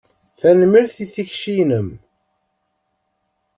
Tanemmirt i tikci-inem.